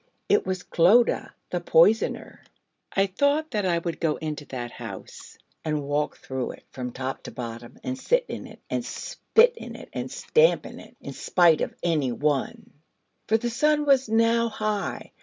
It was Clodagh, the poisoner. I thought that I would go into that house, and walk through it from top to bottom, and sit in it, and spit in it, and stamp in it, in spite of any one: for the sun was now high.